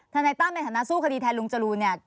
นายตั้มในฐานะสู้คดีแทนลุงจรูนเนี่ย